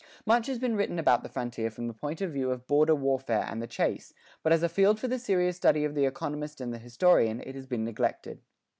Much has been written about the frontier from the point of view of border warfare and the chase, but as a field for the serious study of the economist and the historian it has been neglected.